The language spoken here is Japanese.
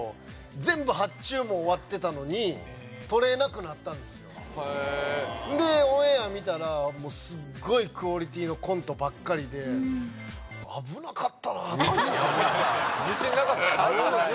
全部発注も終わってたのに撮れなくなったんですよでオンエア見たらすっごいクオリティーのコントばっかりで自信なかったの？